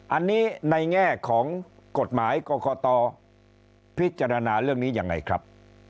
อันนี้ในแง่ของกฎหมายกรกตพิจารณาเรื่องนี้ยังไงครับ